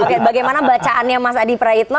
oke bagaimana bacaannya mas adi praitno